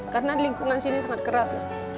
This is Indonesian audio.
karena lingkungan sini sangat keras